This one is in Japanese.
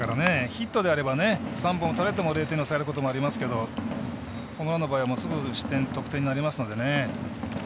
ヒットであれば３本打たれても０点で抑えることありますけどこのような場合はすぐ失点得点になりますからね。